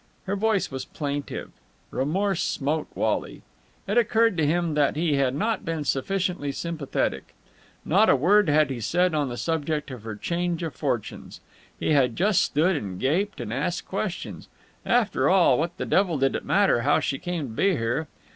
Her voice was plaintive. Remorse smote Wally. It occurred to him that he had not been sufficiently sympathetic. Not a word had he said on the subject of her change of fortunes. He had just stood and gaped and asked questions. After all, what the devil did it matter how she came to be here?